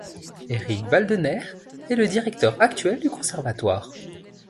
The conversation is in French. Éric Valdenaire est le directeur actuel du conservatoire.